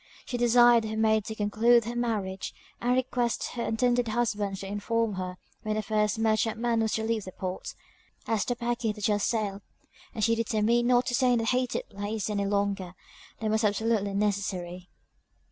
She desired her maid to conclude her marriage, and request her intended husband to inform her when the first merchantman was to leave the port, as the packet had just sailed, and she determined not to stay in that hated place any longer than was absolutely necessary.